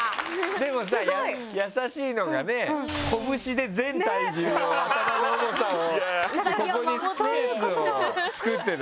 でもさ、優しいのが拳で全体重を、頭の重さをここにスペースを作って。